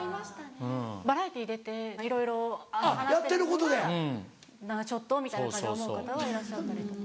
バラエティー出ていろいろ話してることがちょっとみたいな感じで思う方はいらっしゃったりとか。